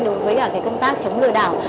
đối với công tác chống lừa đảo